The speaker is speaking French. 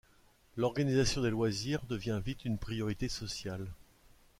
L'organisation des loisirs devient vite une priorité sociale.